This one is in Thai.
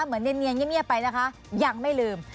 เหมือนเนียนเงียบไปนะคะยังไม่ลืม